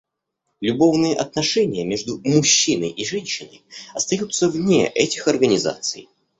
Любовные отношения между мужчиной и женщиной остаются вне этих организаций.